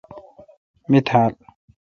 می تھال۔